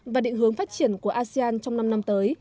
và định hướng phát triển của asean trong năm năm tới